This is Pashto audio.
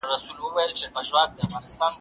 د احنافو نظر د رجعي مطلقې په اړه څه دی؟